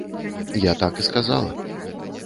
Я так і сказала.